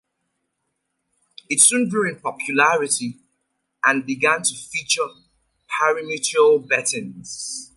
It soon grew in popularity and began to feature parimutuel betting.